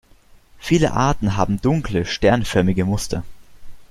Viele Arten haben dunkle, sternförmige Muster.